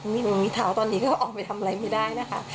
หนูมีเท้าตอนนี้ก็ออกไปทำอะไรไม่ได้นะคะ